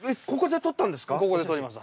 ここで撮ったんですか？